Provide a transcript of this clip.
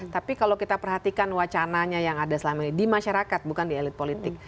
tapi kalau kita perhatikan wacananya yang ada selama ini di masyarakat bukan di elit politik